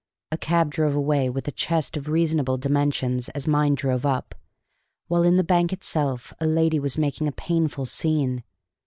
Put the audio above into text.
A cab drove away with a chest of reasonable dimensions as mine drove up, while in the bank itself a lady was making a painful scene.